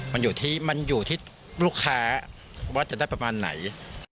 มันอยู่ที่ลูกค้าว่าจะได้ประมาณไหน